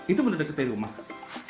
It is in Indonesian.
itu benar benar dekat rumah